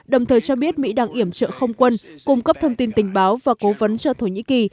đồng thời cho biết mỹ đang iểm trợ không quân cung cấp thông tin tình báo và cố vấn cho thổ nhĩ kỳ